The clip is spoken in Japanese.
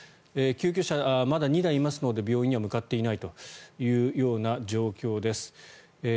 救急車はまだ２台いますので病院には向かっていないという状況です。